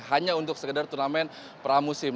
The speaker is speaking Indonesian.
hanya untuk sekedar turnamen pramusim